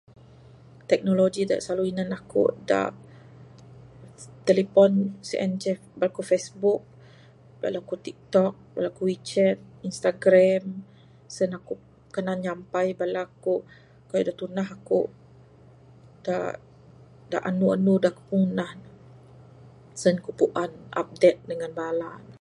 Teknologi de selalu tinan akuk da telepon sien ce nan kuk facebook, bala kan tiktok, bala quick chat, Instagram, sen akuk kan ne nyampai keyuh de tundah akuk, da andu-andu ngundah sien kuk puan update dengan bala ne